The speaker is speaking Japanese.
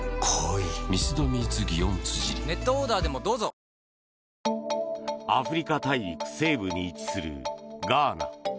東京海上日動アフリカ大陸西部に位置するガーナ。